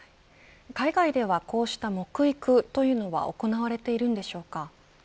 海外ではこうした木育というのは行われているのでしょうか。